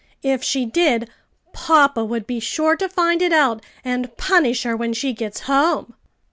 If she did, papa would be sure to find it out and punish her when she gets home."